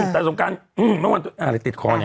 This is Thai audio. แต่สงการที่ติดขอนี่